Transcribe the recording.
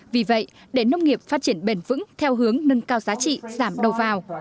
vì vậy để nông nghiệp phát triển bền vững theo hướng nâng cao giá trị giảm đầu vào